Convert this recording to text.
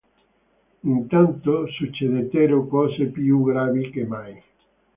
Intanto succedettero cose più gravi che mai.